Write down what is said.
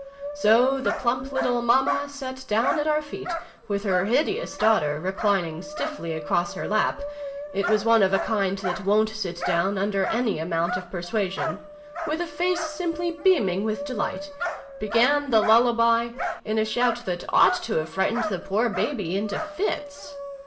So the plump little Mamma sat down at our feet, with her hideous daughter reclining stiffly across her lap (it was one of a kind that wo'n't sit down, under any amount of persuasion), and, with a face simply beaming with delight, began the lullaby, in a shout that ought to have frightened the poor baby into fits.